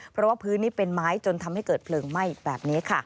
เพราะว่าพื้นนี้เป็นไม้จนทำให้เกิดเพลิงไหม้แบบนี้ค่ะ